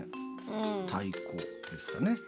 太鼓ですかね。